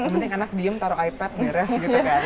mending anak diem taruh ipad meres gitu kan